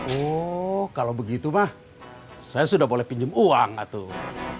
oh kalau begitu mah saya sudah boleh pinjem uang atuh